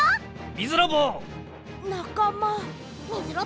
ミズロボ！